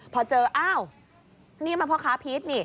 พอเจออ้าวนี่มันพ่อค้าพีชนี่